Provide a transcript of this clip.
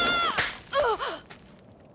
あっ。